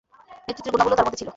নেতৃত্বের গুণাবলীও তাঁর মধ্যে ছিল।